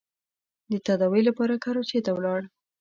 د تداوۍ لپاره کراچۍ ته ولاړ.